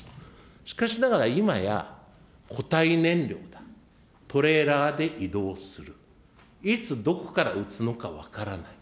しかしながら、今や固体燃料だ、トレーラーで移動する、いつどこから撃つのか分からない。